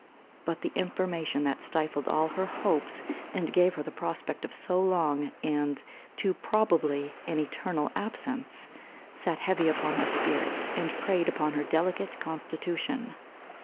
But the information that stifled all her hopes, and gave her the prospect of so long, and, too probably, an eternal absence, sat heavy upon her spirits, and preyed upon her delicate constitution.